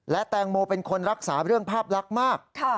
และแตงโมเป็นคนรักษาเรื่องภาพลักษณ์มาก